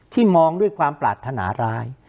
ที่มองด้วยความปลาธนาร้าย